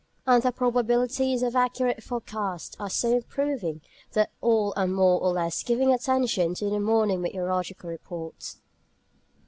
And the probabilities of accurate forecasts are so improving that all are more or less giving attention to the morning meteorological reports.